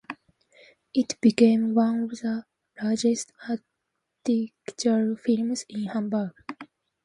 It became one of the largest architectural firms in Hamburg.